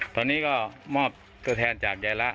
ตอนนี้มอบแทนจากไยระ